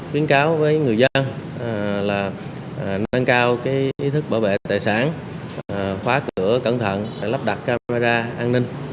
tuyên cáo với người dân là nâng cao ý thức bảo vệ tài sản khóa cửa cẩn thận lắp đặt camera an ninh